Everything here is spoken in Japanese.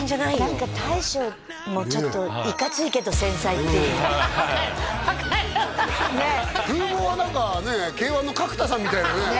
何か大将もちょっといかついけど繊細っていうハハハハ分かる分かるわ風貌は何かＫ−１の角田さんみたいなね